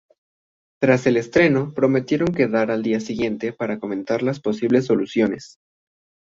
Tras el estreno prometieron quedar al día siguiente para comentar las posibles soluciones.